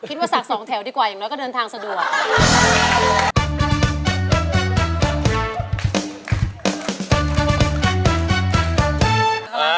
คิดว่าสั่ง๒แถวดีกว่าอย่างน้อยก็เดินทางสะดวก